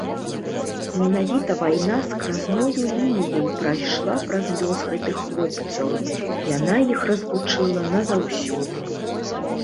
Менавіта вайна скразною лініяй прайшла праз лёс гэтых хлопцаў, яна іх разлучыла назаўсёды.